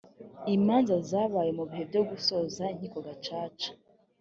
imanza zabaye mu bihe byo gusoza inkiko gacaca